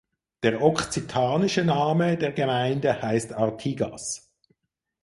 Der okzitanische Name der Gemeinde heißt Artigas.